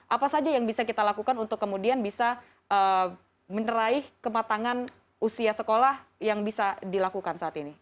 apa saja yang bisa kita lakukan untuk kemudian bisa meneraih kematangan usia sekolah yang bisa dilakukan saat ini